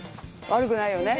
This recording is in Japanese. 悪くないよね？